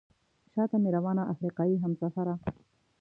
شاته مې روانه افریقایي همسفره.